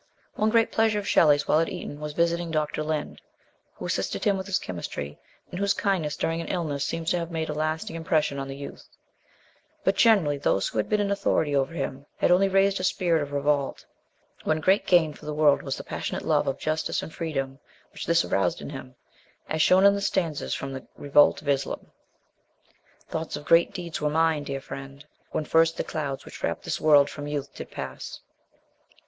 One great pleasure of Shelley's while at Eton was visiting Dr. Lind, who assisted him with chemistry, and whose kindness during an illness seems to have made a lasting impression on the youth ; but gene rally those who had been in authority over him had only raised a spirit of revolt. One great gain for the world was the passionate love of justice and freedom which this aroused in him, as shown in the stanzas fiom The Revolt of [slam Thoughts of great deeds were mine, dear friend, when first The clouds which wrap this world from youth did pass.